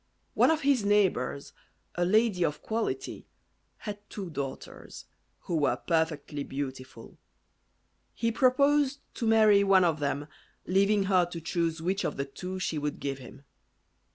One of his neighbours, a lady of quality, had two daughters, who were perfectly beautiful. He proposed to marry one of them, leaving her to choose which of the two she would give him.